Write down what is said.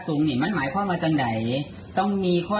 แต่ถ้าเธอมาตบลูกจนหรอสัตว์ฉันไม่ยอมค่ะ